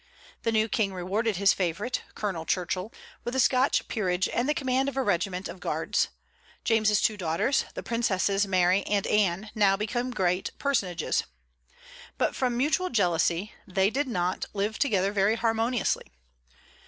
The new King rewarded his favorite, Colonel Churchill, with a Scotch peerage and the command of a regiment of guards, James's two daughters, the princesses Mary and Anne, now became great personages. But from mutual jealousy they did not live together very harmoniously.